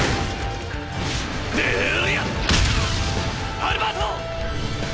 アルバート！